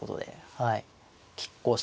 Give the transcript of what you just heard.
はい。